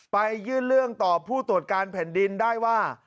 ไปยื่นเรื่องต่อผู้ตรวจการแผ่นดินได้ว่า